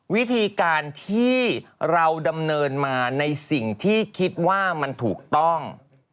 วิธีการที่เราดำเนินมาในสิ่งที่คิดว่ามันถูกต้อง